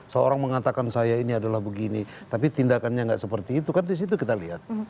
seorang mengatakan saya ini adalah begini tapi tindakannya nggak seperti itu kan disitu kita lihat